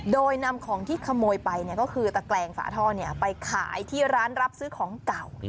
โดยนำของที่ขโมยไปก็คือตะแกรงฝาท่อไปขายที่ร้านรับซื้อของเก่า